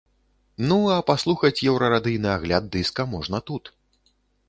Ну, а паслухаць еўрарадыйны агляд дыска можна тут.